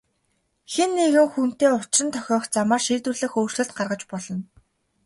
Хэн нэгэн хүнтэй учран тохиох замаар шийдвэрлэх өөрчлөлт гаргаж болно.